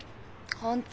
本当。